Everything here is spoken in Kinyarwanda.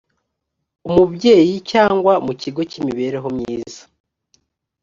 umubyeyi cyangwa mu kigo cy imibereho myiza